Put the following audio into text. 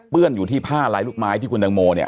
เปื้อนอยู่ที่ผ้าลายลูกไม้ที่คุณแตงโม